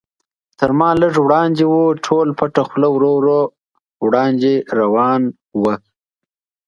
تر ما لږ وړاندې و، ټول پټه خوله ورو ورو وړاندې روان و.